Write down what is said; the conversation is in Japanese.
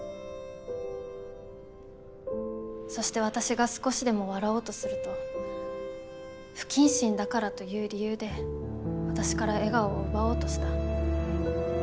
そして私が少しでも笑おうとすると不謹慎だからという理由で私から笑顔を奪おうとした。